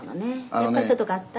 「やっぱりそういうとこあった？」